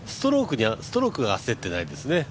ストロークが焦っていないんですね。